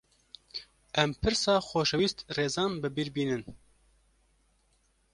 Em pirsa xoşewîst Rêzan bi bîr bînin